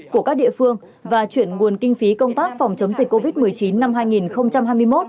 của các địa phương và chuyển nguồn kinh phí công tác phòng chống dịch covid một mươi chín năm hai nghìn hai mươi một